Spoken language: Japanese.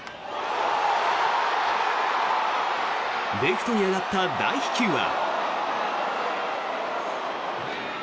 レフトに上がった大飛球は。